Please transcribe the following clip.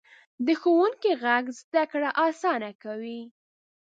د ښوونکي غږ زده کړه اسانه کوي.